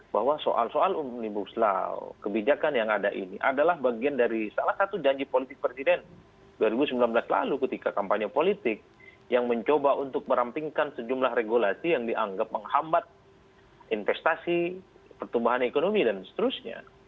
bahwa soal soal omnibus law kebijakan yang ada ini adalah bagian dari salah satu janji politik presiden dua ribu sembilan belas lalu ketika kampanye politik yang mencoba untuk merampingkan sejumlah regulasi yang dianggap menghambat investasi pertumbuhan ekonomi dan seterusnya